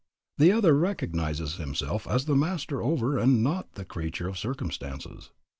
The other recognizes himself as the master over and not the creature of circumstances.